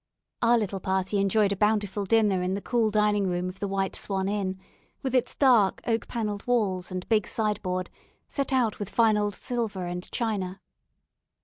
Our little party enjoyed a bountiful dinner in the cool dining room of the "White Swan Inn," with its dark, oak panelled walls, and big sideboard, set out with fine old silver and china.